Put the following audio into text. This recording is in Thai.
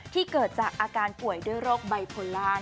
ที่เกิดจากอาการป่วยด้วยโรคบายโพลานั่นเอง